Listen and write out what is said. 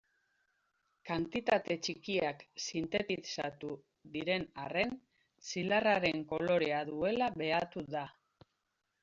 Kantitate txikiak sintetizatu diren arren, zilarraren kolorea duela behatu da.